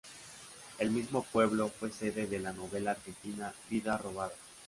El mismo pueblo fue sede de la novela argentina, Vidas robadas.